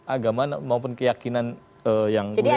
agama maupun keyakinan yang boleh dianggap menyimpang